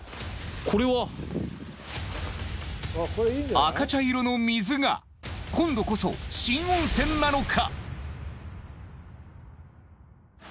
赤茶色の水が今度こそ新温泉なのか？